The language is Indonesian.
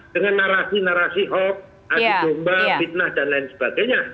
dengan narasi narasi hoax adu domba fitnah dan lain sebagainya